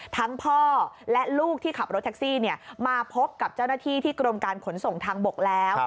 ทั้งพ่อและลูกที่ขับรถแท็กซี่มาพบกับเจ้าหน้าที่ที่กรมการขนส่งทางบกแล้ว